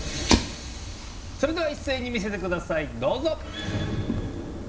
それではいっせいに見せてくださいどうぞ！